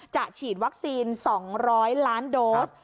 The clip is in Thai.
ฉีดวัคซีน๒๐๐ล้านโดส